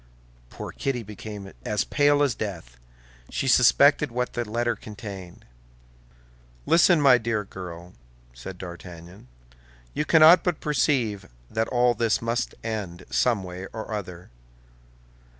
Poor Kitty became as pale as death; she suspected what the letter contained. "Listen, my dear girl," said D'Artagnan; "you cannot but perceive that all this must end, some way or other.